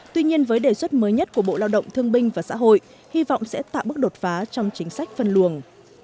tuy nhiên với đề xuất mới nhất của bộ lao động thương binh và xã hội hy vọng sẽ tạo bước đột phá trong chính sách phân luồng